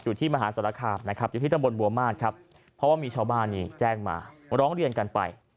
เพราะว่ามีชาวบ้านแจ้งมาร้องเรียนกันไป